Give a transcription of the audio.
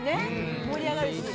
盛り上がるし。